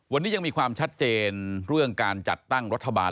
วันนี้ยังมีความชัดเจนเรื่องการจัดตั้งรัฐบาล